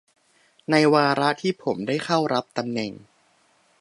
ในวาระที่ผมได้เข้ารับตำแหน่ง